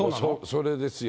それですよ。